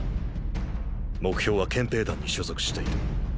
目標は憲兵団に所属している。